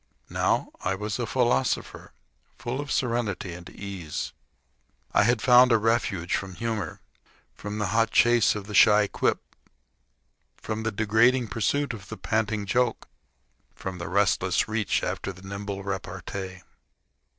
Now I was a philosopher, full of serenity and ease. I had found a refuge from humor, from the hot chase of the shy quip, from the degrading pursuit of the panting joke, from the restless reach after the nimble repartee.